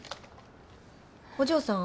お嬢さん。